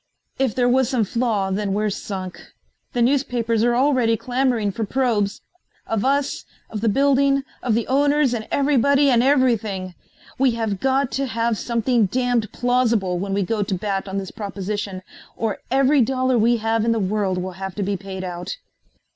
"If there was some flaw, then we're sunk. The newspapers are already clamoring for probes, of us, of the building, of the owners and everybody and everything. We have got to have something damned plausible when we go to bat on this proposition or every dollar we have in the world will have to be paid out."